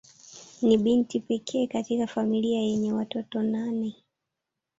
Ni binti pekee katika familia yenye watoto nane.